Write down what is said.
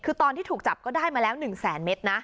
คือตอนที่ถูกจับก็ได้มาแล้ว๑แสนเมตรนะ